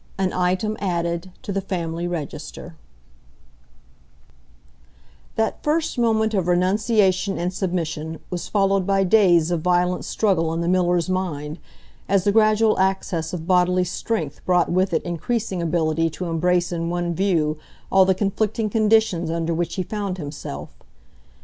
An Item Added to the Family Register That first moment of renunciation and submission was followed by days of violent struggle in the miller's mind, as the gradual access of bodily strength brought with it increasing ability to embrace in one view all the conflicting conditions under which he found himself.